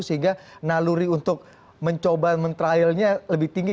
sehingga naluri untuk mencoba men trialnya lebih tinggi